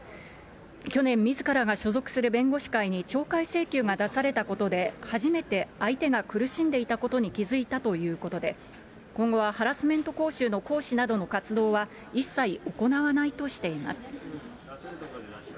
去年、みずからが所属する弁護士会に懲戒請求が出されたことで、初めて相手が苦しんでいたことに気付いたということで、今後はハラスメント講習の講師などの活動は一切行わないとしています。